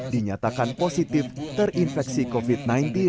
dinyatakan positif terinfeksi covid sembilan belas